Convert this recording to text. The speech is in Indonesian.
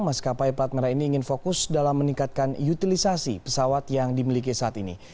mas kapai platmera ini ingin fokus dalam meningkatkan utilisasi pesawat yang dimiliki saat ini